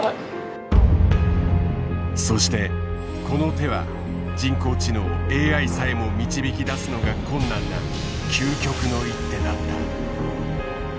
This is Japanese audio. そしてこの手は人工知能ＡＩさえも導き出すのが困難な究極の一手だった。